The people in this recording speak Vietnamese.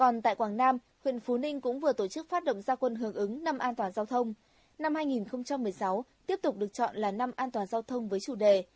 năm an toàn giao thông năm hai nghìn một mươi sáu tiếp tục được chọn là năm an toàn giao thông với chủ đề